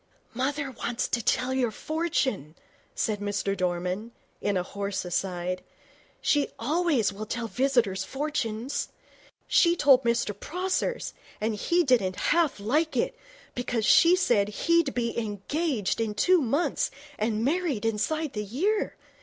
'Mother wants to tell your fortune,' said Mr Dorman, in a hoarse aside. 'She always will tell visitors' fortunes. She told Mr Prosser's, and he didn't half like it, because she said he'd be engaged in two months and married inside the year.